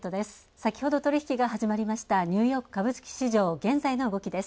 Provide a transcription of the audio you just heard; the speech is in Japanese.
先ほど取引が始まりましたニューヨーク株式市場、現在の動きです。